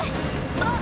あっ！